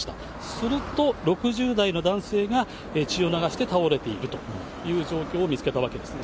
すると、６０代の男性が血を流して倒れているという状況を見つけたわけですね。